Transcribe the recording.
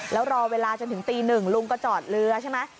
แล้วรอเวลาจนถึงตีหนึ่งลุงก็จอดเรือใช่ไหม